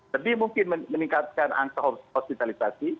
lebih mungkin meningkatkan angka hospitalisasi